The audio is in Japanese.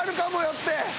って。